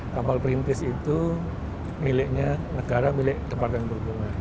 kapal perintis itu miliknya negara milik tempat yang berhubungan